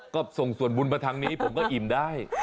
ก็ส่งส่วนบุญมาทางนี้ผมก็อิ่มได้